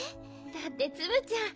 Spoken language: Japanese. だってツムちゃん